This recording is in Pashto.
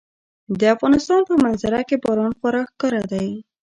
د افغانستان په منظره کې باران خورا ښکاره دی.